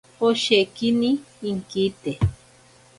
Oshekini inkite.